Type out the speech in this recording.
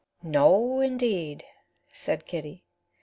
"No, indeed," said Kitty.